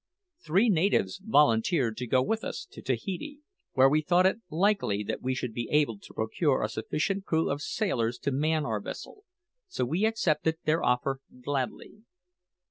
Three natives volunteered to go with us to Tahiti, where we thought it likely that we should be able to procure a sufficient crew of sailors to man our vessel; so we accepted their offer gladly.